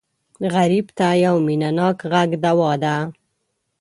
غریب ته یو مینهناک غږ دوا ده